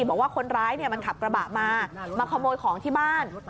บอกว่าคนร้ายมันขับกระบะมามาขโมยของที่บ้าน